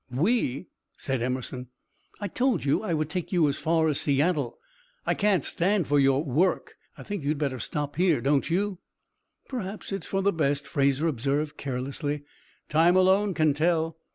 "We?" said Emerson. "I told you I would take you as far as Seattle. I can't stand for your 'work.' I think you had better stop here, don't you?" "Perhaps it is for the best," Fraser observed, carelessly. "Time alone can tell."